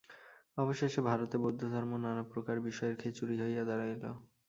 অবশেষে ভারতে বৌদ্ধধর্ম নানাপ্রকার বিষয়ের খিচুড়ি হইয়া দাঁড়াইল।